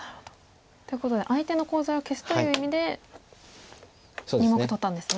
ということで相手のコウ材を消すという意味で２目取ったんですね。